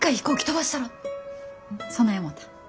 そない思た。